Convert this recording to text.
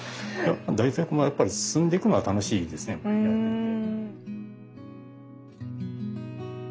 やっぱ進んでいくのは楽しいですねやってて。